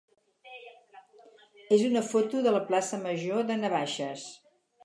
és una foto de la plaça major de Navaixes.